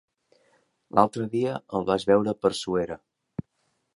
L'altre dia el vaig veure per Suera.